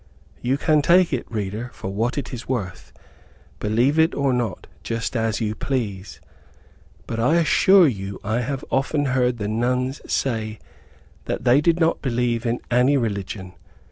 You can take it, reader, for what it is worth; believe it or not, just us you please; but I assure you I have often heard the nuns say that they did not believe in any religion.